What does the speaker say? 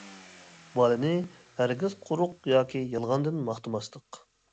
بالىنى ھەرگىز قۇرۇق ياكى يالغاندىن ماختىماسلىق.